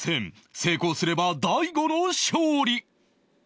成功すれば大悟の勝利